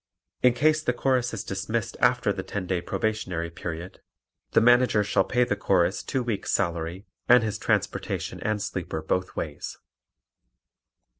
In case the Chorus is dismissed after the ten day probationary period the Manager shall pay the Chorus two weeks' salary and his transportation and sleeper both ways.